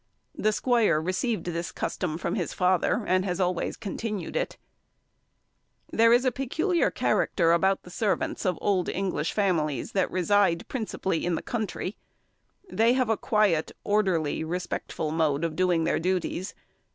The squire received the custom from his father, and has always continued it. [Illustration: "She drinks the health of the company"] There is a peculiar character about the servants of old English families that reside principally in the country. They have a quiet, orderly, respectful mode of doing their duties.